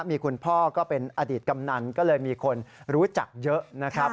มีคุณพ่อก็เป็นอดีตกำนันก็เลยมีคนรู้จักเยอะนะครับ